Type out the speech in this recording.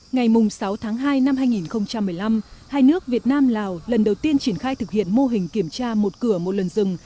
ngày sáu tháng hai năm hai nghìn một mươi năm hai nước việt nam lào lần đầu tiên triển khai thực hiện mô hình kiểm tra một cửa một lần rừng